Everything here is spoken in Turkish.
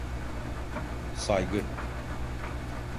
Saygı…